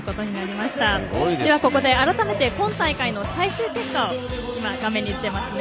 では、ここで改めて今大会の最終結果が画面に出ています。